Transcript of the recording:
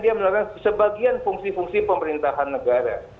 dia menerapkan sebagian fungsi fungsi pemerintahan negara